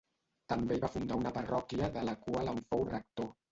També hi va fundar una parròquia de la qual en fou rector.